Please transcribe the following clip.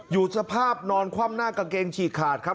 อยู่สภาพนอนคว่ำหน้ากางเกงฉีกขาดครับ